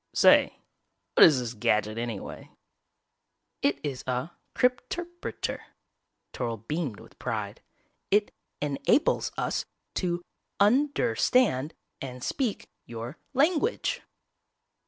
"Say, what is this gadget anyway?" "It is a cryp terp reter," Toryl beamed with pride. "It en ables us to un der stand and speak your lan guage."